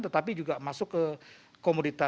tetapi juga masuk ke komoditas